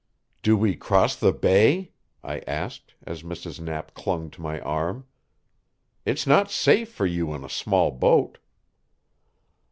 "Do we cross the bay?" I asked, as Mrs. Knapp clung to my arm. "It's not safe for you in a small boat."